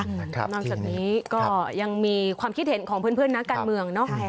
นอกจากนี้ก็ยังมีความคิดเห็นของเพื่อนนักการเมืองเนาะ